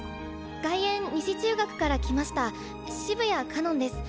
外苑西中学から来ました澁谷かのんです。